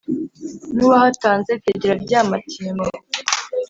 n’uwahatanze tegera rya nyamatimbo,